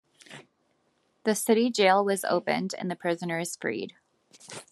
The city jail was opened and the prisoners freed.